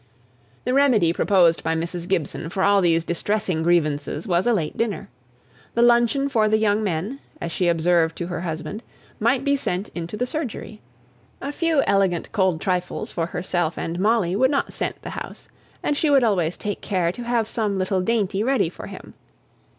The remedy proposed by Mrs. Gibson for all these distressing grievances was a late dinner. The luncheon for the young men, as she observed to her husband, might be sent into the surgery. A few elegant cold trifles for herself and Molly would not scent the house, and she would always take care to have some little dainty ready for him.